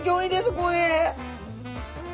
これ。